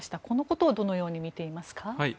このことをどのように見ていますか？